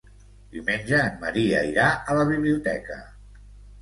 Diumenge en Maria irà a la biblioteca.